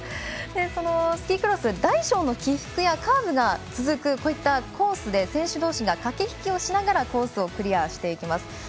スキークロス大小の起伏やカーブが続くコースで選手どうしが駆け引きをしながらコースをクリアしていきます。